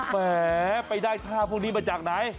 แหมไปได้ท่าพวกนี้มาจากไหน